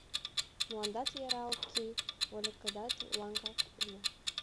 — Мландат яра ок кий, вольыкдат лыҥак уло.